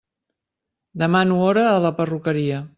Demano hora a la perruqueria.